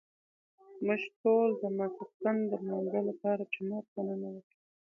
موږ ټول د ماسخوتن د لمانځه لپاره جومات ته ننوتو.